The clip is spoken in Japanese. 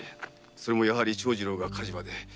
それもやはり長次郎が火事場で。